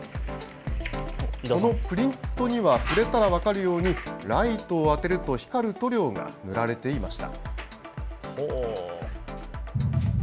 このプリントには触れたら分かるようにライトを当てると光る塗料が塗られていました。